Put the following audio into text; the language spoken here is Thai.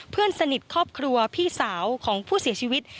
เพื่อนสนิทครอบครัวพี่สาวของผู้เสียชีวิต